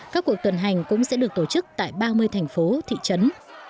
các cuộc tuần hành cũng sẽ được tổ chức tại ba mươi thành phố thị trấn